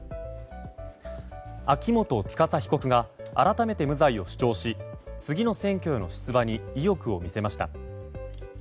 秋元司被告が改めて無罪を主張し次の選挙への出馬に意欲を見せました。